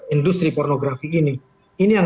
industri pornografi ini ini yang